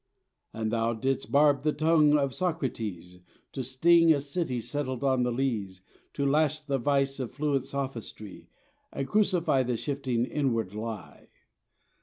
And Thou didst barb the tongue of Socrates To sting a city settled on the lees, To lash the vice of fluent sophistry And crucify the shifting inward lie.